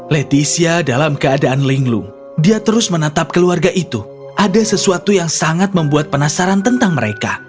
leticia dalam keadaan linglung dia terus menatap keluarga itu ada sesuatu yang sangat membuat penasaran tentang mereka